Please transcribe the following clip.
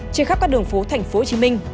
trên khắp các đường phố thành phố hồ chí minh